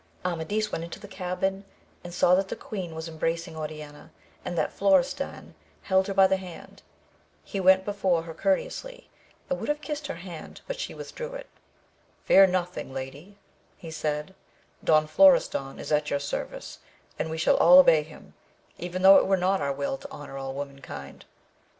Amadis went into the cabin, and saw that the queen was embracing Oriana, and that Florestan held her by the hand, he went before her courteously, and would have kissed her hand, but she withdrew it ; Fear nothing, lady, said he, Don Florestan is at your service, and we shall all obey him, even though it were not our will to honour all womankind.